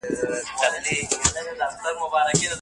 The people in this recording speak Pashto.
په دې سمندر کې لامبو وهل زده کړئ.